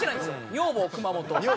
「女房熊元」。